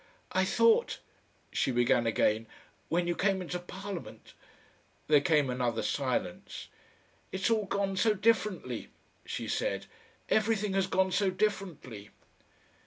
"I thought," she began again, "when you came into Parliament " There came another silence. "It's all gone so differently," she said. "Everything has gone so differently."